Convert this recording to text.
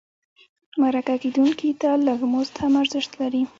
مرکه کېدونکي ته لږ مزد هم ارزښت لري.